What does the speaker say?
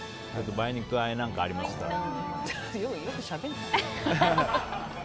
梅肉あえなんかありますからね。